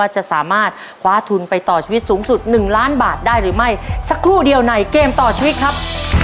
จะสามารถคว้าทุนไปต่อชีวิตสูงสุด๑ล้านบาทได้หรือไม่สักครู่เดียวในเกมต่อชีวิตครับ